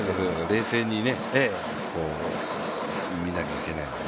冷静に見なきゃいけないのに。